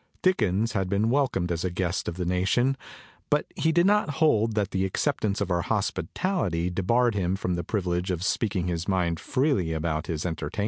Dickens had been welcomed as the guest of the nation; but he did not hold that the acceptance of our hospitality debarred him from the privilege of speaking his mind freely about his entertainers.